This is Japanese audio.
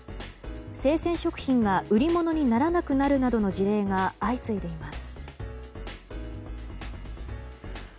生鮮食品が売り物にならなくなるなどの事例が相次いでいます。